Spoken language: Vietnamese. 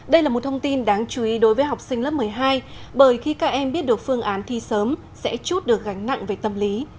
đây là một thông tin đáng chú ý đối với học sinh lớp một mươi hai bởi khi các em biết được phương án thi sớm sẽ chút được gánh nặng về tâm lý